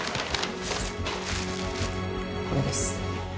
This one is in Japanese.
これです。